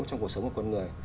trong cuộc sống của con người